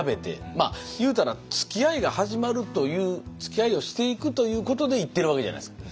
まあ言うたらつきあいが始まるというつきあいをしていくということで行ってるわけじゃないですか。